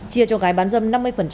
chia cho gái bán dâm năm mươi